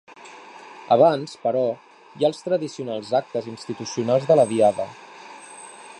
Abans, però, hi ha els tradicionals actes institucionals de la Diada.